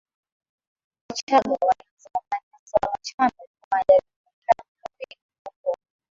Wachagga wale wa zamani hasa wa Machame walifanya jaribio bila kujua mbinu ya kuondoa